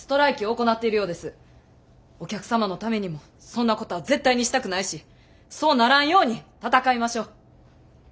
お客様のためにもそんなことは絶対にしたくないしそうならんように闘いましょう！